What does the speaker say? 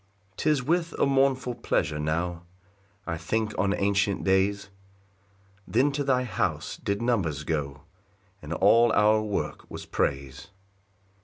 4 'Tis with a mournful pleasure now I think on ancient days; Then to thy house did numbers go, And all our work was praise.